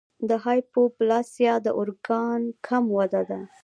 د هایپوپلاسیا د ارګان کم وده ده.